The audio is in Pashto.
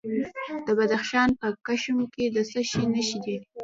د بدخشان په کشم کې د څه شي نښې دي؟